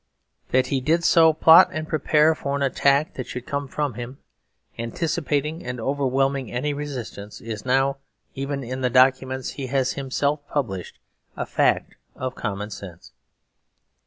That he did so plot and prepare for an attack that should come from him, anticipating and overwhelming any resistance, is now, even in the documents he has himself published, a fact of common sense.